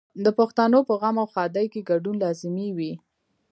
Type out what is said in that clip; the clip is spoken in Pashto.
د پښتنو په غم او ښادۍ کې ګډون لازمي وي.